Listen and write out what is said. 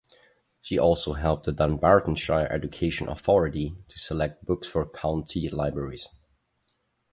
She also helped the Dunbartonshire Education Authority to select books for county libraries.